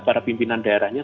para pimpinan daerahnya